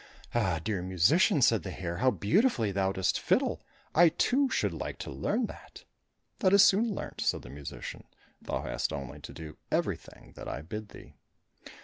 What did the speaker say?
"Ah, dear musician," said the hare, "how beautifully thou dost fiddle; I too, should like to learn that." "That is soon learnt," said the musician, "thou hast only to do everything that I bid thee."